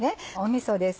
みそです。